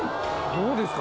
どうですか？